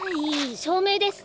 しょうめいです。